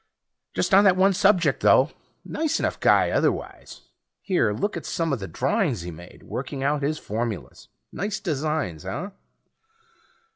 Just on that one subject, though; nice enough guy otherwise. Here, look at some of the drawings he made, working out his formulas. Nice designs, huh?